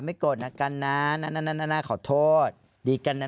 โกรธนะกันนะขอโทษดีกันนะ